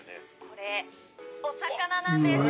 これお魚なんです！